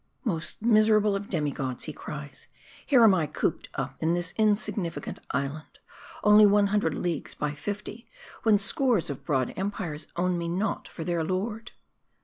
' Most miserable of demi gods,' he cries, ' here am I cooped up in this insignificant islet, only one hundred leagues by fifty, when scores of broad empires own me not for their lord.'